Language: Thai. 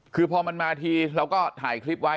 คือพอมันมาทีเราก็ถ่ายคลิปไว้